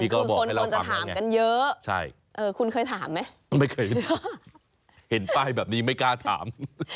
คือคนคนจะถามกันเยอะคุณเคยถามไหมไม่เคยถามเห็นป้ายแบบนี้ไม่กล้าถาม